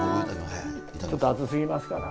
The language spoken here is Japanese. ちょっと熱すぎますかな。